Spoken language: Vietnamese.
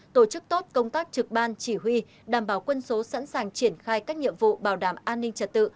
tổ chức tốt công tác trực ban chỉ huy đảm bảo quân số sẵn sàng triển khai các nhiệm vụ bảo đảm an ninh trật tự